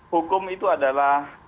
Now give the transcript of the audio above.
hukum itu adalah